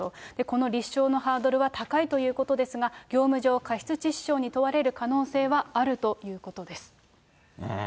この立証のハードルは高いということですが、業務上過失致死傷に問われる可能性はあるということです。